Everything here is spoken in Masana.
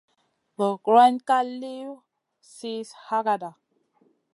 Guroyna ka liw sih hagada.